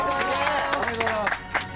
ありがとうございます！